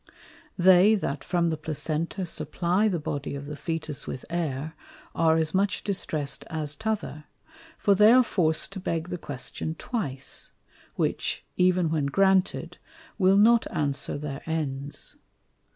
They that from the Placenta supply the Body of the Fœtus with Air, are as much distress'd as t'other; for they are forc'd to beg the Question twice, which, even when granted, will not answer their Ends.